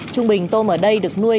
trung bình tôm ở đây được nuôi